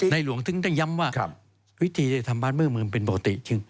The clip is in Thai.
นายหลวงถึงจะย้ำว่าวิธีที่จะทำบ้านเมืองเป็นปกติ